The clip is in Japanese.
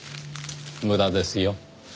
無駄ですよ。